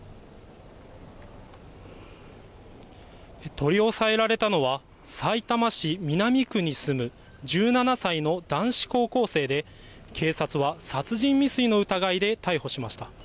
取り押さえられたのは、さいたま市南区に住む１７歳の男子高校生で、警察は、殺人未遂の疑いで逮捕しました。